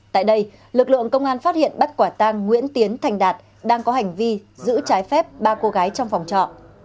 tại đây lực lượng công an phát hiện bắt quả tang nguyễn tiến thành đạt đang có hành vi giữ trái phép ba cô gái trong phòng trọ